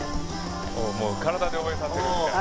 もう体で覚えさせるみたいな。